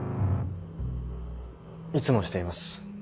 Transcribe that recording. いつもしています。